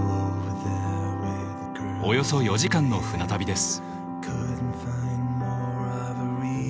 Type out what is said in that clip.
およそ４時間の船旅です。